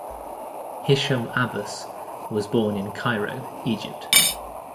Hisham Abbas was born in Cairo, Egypt.